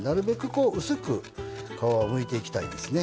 こう薄く皮をむいていきたいですね。